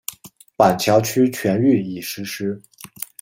板桥区全域已实施。